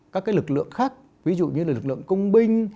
các lực lượng khác ví dụ như là lực lượng công binh